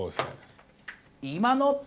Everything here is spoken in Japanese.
今の。